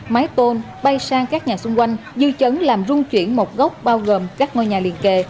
mái tôn bay sang các nhà xung quanh dư chấn làm rung chuyển một gốc bao gồm các ngôi nhà liên kề